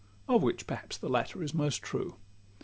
Of which perhaps the latter is most true.